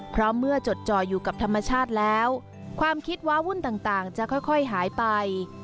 เพราะเมื่อจดจ่ออยู่กับธรรมชาติแล้วความคิดว้าวุ่นต่างจะค่อยหายไป